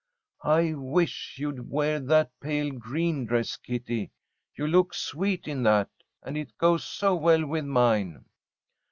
I wish you'd wear that pale green dress, Kitty. You look sweet in that, and it goes so well with mine."